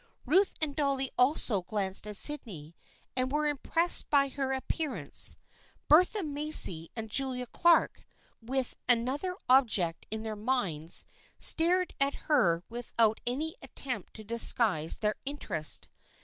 Ruth and Dolly also glanced at Sydney, and were impressed by her ap pearance. Bertha Macy and Julia Clark, with another object in their minds, stared at her with out any attempt to disguise their interest.